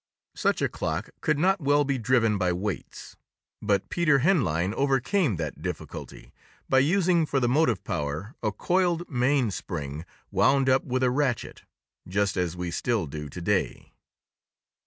Such a clock could not well be driven by weights. But Peter Henlein overcame that difficulty by using for the motive power a coiled mainspring wound up with a ratchet, just as we still do to day.